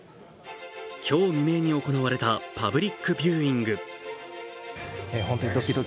今日未明に行われたパブリックビューイング。